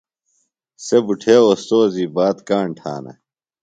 سےۡ بُٹھے اوستوذی بات کاݨ تھانہ۔